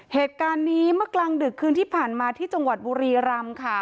เหตุการณ์นี้เมื่อกลางดึกคืนที่ผ่านมาที่จังหวัดบุรีรำค่ะ